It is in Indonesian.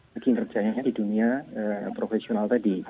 kinerjanya di dunia profesional tadi